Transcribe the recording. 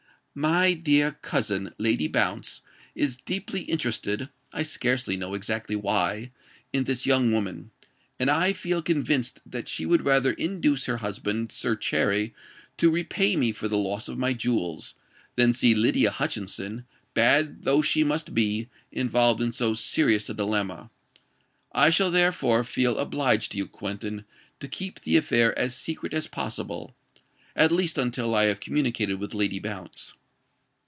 "My dear cousin Lady Bounce is deeply interested—I scarcely know exactly why—in this young woman; and I feel convinced that she would rather induce her husband Sir Cherry to repay me for the loss of my jewels, than see Lydia Hutchinson, bad though she must be, involved in so serious a dilemma. I shall therefore feel obliged to you, Quentin, to keep the affair as secret as possible—at least until I have communicated with Lady Bounce."